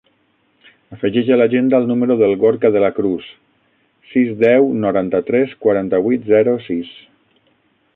Afegeix a l'agenda el número del Gorka De La Cruz: sis, deu, noranta-tres, quaranta-vuit, zero, sis.